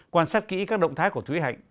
quan sát kỹ các động thái của thúy hạnh